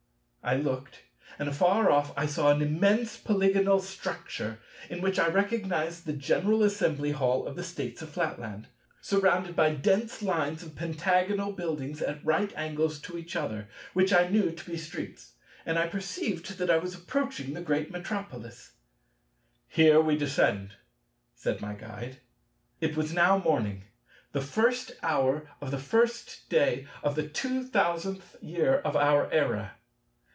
I looked, and afar off I saw an immense Polygonal structure, in which I recognized the General Assembly Hall of the States of Flatland, surrounded by dense lines of Pentagonal buildings at right angles to each other, which I knew to be streets; and I perceived that I was approaching the great Metropolis. "Here we descend," said my Guide. It was now morning, the first hour of the first day of the two thousandth year of our era.